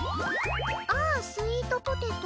「ああ、スイートポテト。」